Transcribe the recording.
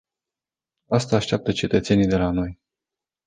Asta așteaptă cetățenii de la noi.